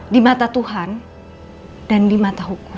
di mata tuhan dan di mata hukum